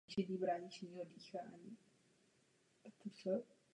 Je členem agentury Magnum Photos.